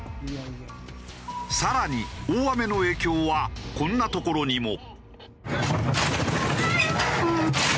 更に大雨の影響はこんなところにも。